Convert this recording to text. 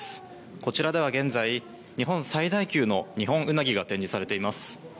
こちらでは現在日本最大級のニホンウナギが展示されています。